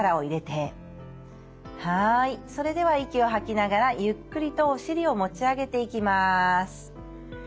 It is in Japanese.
はいそれでは息を吐きながらゆっくりとお尻を持ち上げていきます。